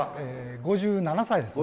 ５７歳ですね。